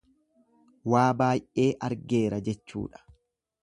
Waa baay'ee argeera jechuudha.